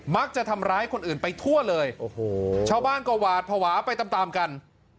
มักจะทำร้ายคนอื่นไปทั่วเลยชาวบ้านก็หวาดผวาไปตามกัน